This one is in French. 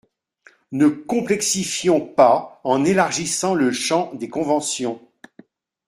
Ne complexifions pas en élargissant le champ des conventions.